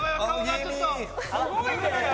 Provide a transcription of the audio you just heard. すごいね！